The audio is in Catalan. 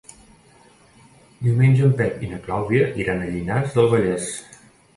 Diumenge en Pep i na Clàudia iran a Llinars del Vallès.